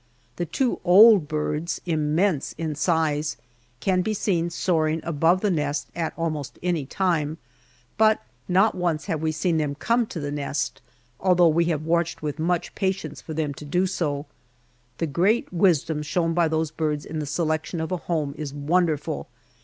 The two old birds immense in size can be seen soaring above the nest at almost any time, but not once have we seen them come to the nest, although we have watched with much patience for them to do so. The great wisdom shown by those birds in the selection of a home is wonderful.